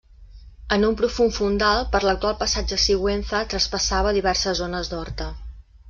En un profund fondal per l'actual passatge Sigüenza traspassava diverses zones d'Horta.